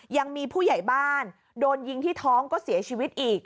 ยังมีผู้ใหญ่บ้านโดนยิงที่ท้องก็เสียชีวิตอีก